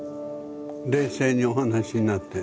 冷静にお話しになって。